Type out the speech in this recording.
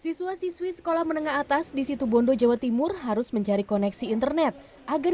siswa siswi sekolah menengah atas di situ bondo jawa timur harus mencari koneksi internet agar